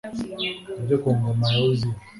ibyo ku ngoma ya uziya